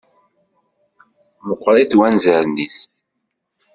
Meqqṛit wanzaren-is.